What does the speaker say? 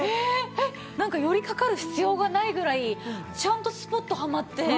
えっなんかよりかかる必要がないぐらいちゃんとスポッとはまって。